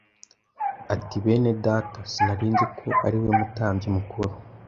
ati, “Bene Data, sinari nzi ko ari we mutambyi mukuru;